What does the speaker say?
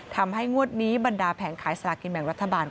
งวดนี้บรรดาแผงขายสลากินแบ่งรัฐบาล